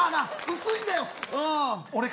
薄いんだよ。